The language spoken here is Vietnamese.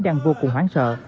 đang vô cùng hoảng sợ